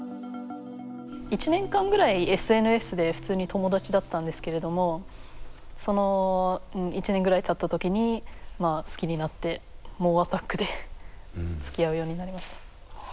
１年間ぐらいＳＮＳで普通に友達だったんですけれどもその１年ぐらいたった時にまあ好きになって猛アタックでつきあうようになりました。